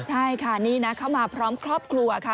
ใช่ค่ะนี่นะเข้ามาพร้อมครอบครัวค่ะ